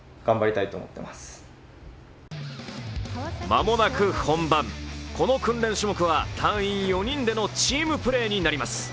間もなく本番、この訓練種目は隊員４人でのチームプレーになります。